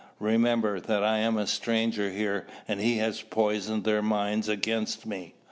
"Remember that I am a stranger here and he has poisoned their minds against me.